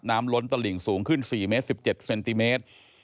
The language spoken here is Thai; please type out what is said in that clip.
ล้นตลิ่งสูงขึ้น๔เมตร๑๗เซนติเมตร